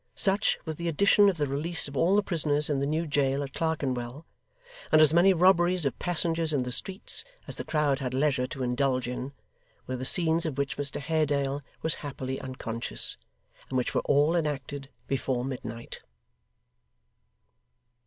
Such, with the addition of the release of all the prisoners in the New Jail at Clerkenwell, and as many robberies of passengers in the streets, as the crowd had leisure to indulge in, were the scenes of which Mr Haredale was happily unconscious, and which were all enacted before midnight.